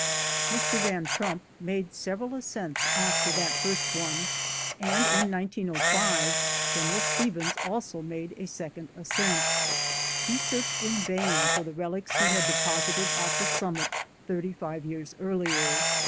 FIRST SUCCESSFUL ASCENT, 1870 Mr. Van Trump made several ascents after that first one, and in 1905 General Stevens also made a second ascent. He searched in vain for the relics he had deposited at the summit thirty five years earlier.